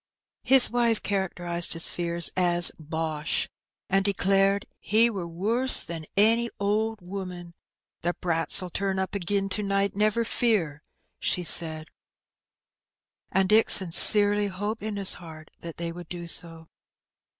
His wife characterized his fears as '^ bosh,^' and declared " he wur wuss nor any owd woman. The brats ^11 turn up agin to night, never fear,'' she said ; and Uick sincerely hoped in his heart that they would do so.